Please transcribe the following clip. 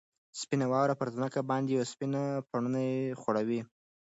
سپینه واوره پر مځکه باندې یو سپین پړونی غوړوي.